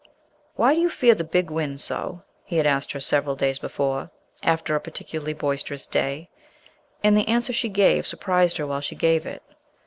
"Why do you fear the big winds so?" he had asked her several days before, after a particularly boisterous day; and the answer she gave surprised her while she gave it.